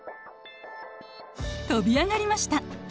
跳び上がりました。